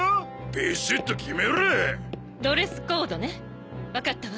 ビシッとキメろドレスコードね分かったわ